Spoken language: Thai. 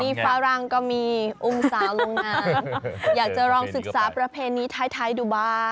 มีฝรั่งก็มีองศาลงน้ำอยากจะลองศึกษาประเพณีท้ายดูบ้าง